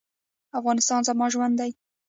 افغانستان زما ژوند دی؟